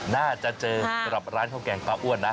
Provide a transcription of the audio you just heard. น่าจะเจอสำหรับร้านข้าวแกงปลาอ้วนนะ